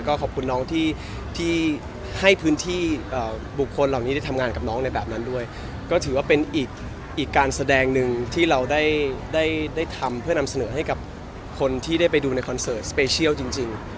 ขอบคุณน้องที่ให้พื้นที่บุคคลเหล่านี้ได้ทำงานกับน้องในแบบนั้นด้วยก็ถือว่าเป็นอีกการแสดงหนึ่งที่เราได้ได้ทำเพื่อนำเสนอให้กับคนที่ได้ไปดูในคอนเสิร์ตสเปเชียลจริง